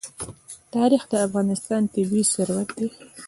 تاریخ د افغانستان طبعي ثروت دی.